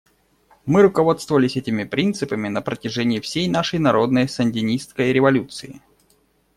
Мы руководствовались этими принципами на протяжении всей нашей народной сандинистской революции.